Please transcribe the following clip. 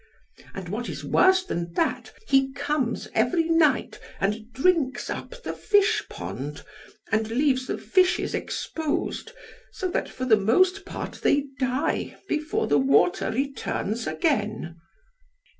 And what is worse than that, he comes every night, and drinks up the fish pond, and leaves the fishes exposed, so that for the most part they die before the water returns again."